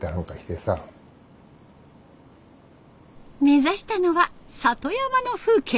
目指したのは里山の風景。